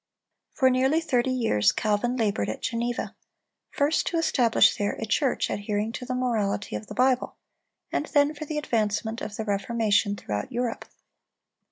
For nearly thirty years, Calvin labored at Geneva; first to establish there a church adhering to the morality of the Bible, and then for the advancement of the Reformation throughout Europe.